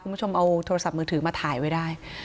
คุณผู้ชมเอาโทรศัพท์มือถือมาถ่ายไว้ได้